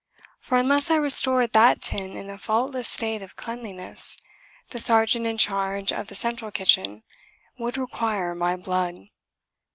For unless I restored that tin in a faultless state of cleanliness, the sergeant in charge of the central kitchen would require my blood.